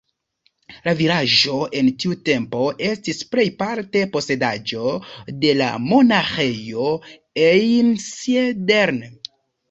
La vilaĝo en tiu tempo estis plej parte posedaĵo de la Monaĥejo Einsiedeln.